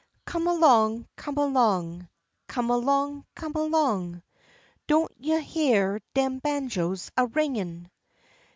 Come along, come along, Come along, come along, Don't you heah dem banjos a ringin'?